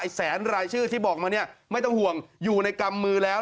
แสนรายชื่อที่บอกมาเนี่ยไม่ต้องห่วงอยู่ในกำมือแล้ว